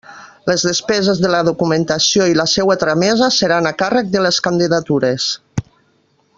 Les despeses de la documentació i la seua tramesa seran a càrrec de les candidatures.